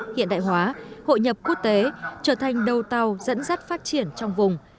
hiện đại hóa hội nhập quốc tế trở thành đầu tàu dẫn dắt phát triển trong vùng